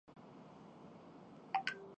انسان کےپاؤں نے نہیں روندا